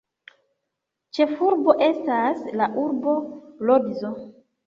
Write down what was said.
Ĉefurbo estas la urbo Lodzo.